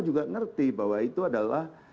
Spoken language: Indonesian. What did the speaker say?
juga ngerti bahwa itu adalah